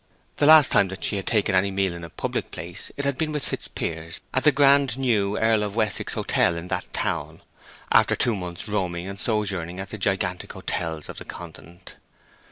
The last time that she had taken any meal in a public place it had been with Fitzpiers at the grand new Earl of Wessex Hotel in that town, after a two months' roaming and sojourning at the gigantic hotels of the Continent.